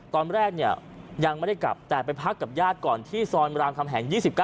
ตอนแรกเนี่ยยังไม่ได้กลับแต่ไปพักกับญาติก่อนที่ซอยรามคำแหง๒๙